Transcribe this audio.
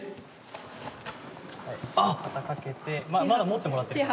まだ持ってもらってる。